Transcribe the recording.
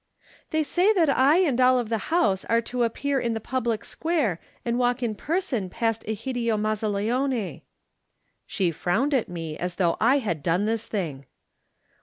"They say that I and all of the house are to appear in the public square and walk in person past Egidio Mazzaleone." She frowned at me as though I had done this thing.